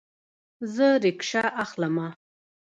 زه ریکشه اخلمه